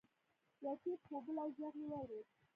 يو ټيټ خوبولی ږغ يې واورېد.